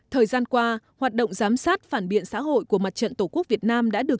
thời gian qua hoạt động giám sát phản biện xã hội của mặt trận tổ quốc việt nam đã được